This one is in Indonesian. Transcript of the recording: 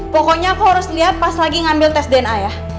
pokoknya aku harus lihat pas lagi ngambil tes dna ya